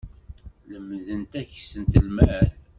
Lemdent ad ksent lmal.